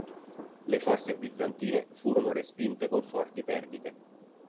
Le forze bizantine furono respinte con forti perdite.